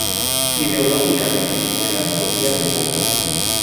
Ideológicamente, era socialdemócrata.